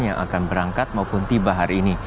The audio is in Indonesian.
yang akan berangkat maupun tiba hari ini